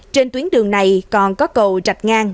trên tuyến đường này còn có cầu trạch ngang